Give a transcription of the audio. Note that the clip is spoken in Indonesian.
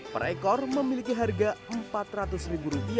perekor memiliki harga rp empat ratus